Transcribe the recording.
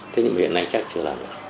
thế nhưng mà hiện nay chắc chưa làm được